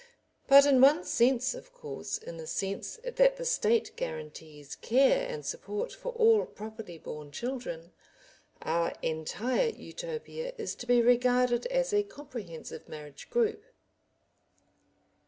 But in one sense, of course, in the sense that the State guarantees care and support for all properly born children, our entire Utopia is to be regarded as a comprehensive marriage group.